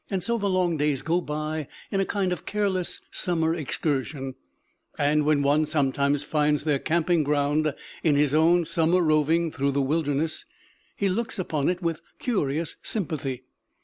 So the long days go by in a kind of careless summer excursion; and when one sometimes finds their camping ground in his own summer roving through the wilderness, he looks upon it with curious sympathy.